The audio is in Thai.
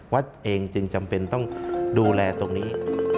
วัดเองจึงจำเป็นต้องดูแลตรงนี้